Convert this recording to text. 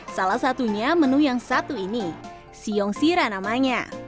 salah satunya menu yang satu ini siong sira namanya